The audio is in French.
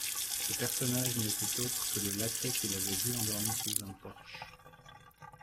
Ce personnage n'était autre que le laquais qu'il avait vu endormi sous un porche.